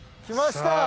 きました！